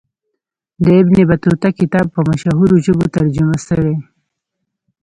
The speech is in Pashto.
د ابن بطوطه کتاب په مشهورو ژبو ترجمه سوی.